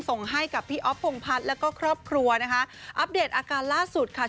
ส่งให้กับพี่อ๊อฟพงพัฒน์แล้วก็ครอบครัวนะคะอัปเดตอาการล่าสุดค่ะ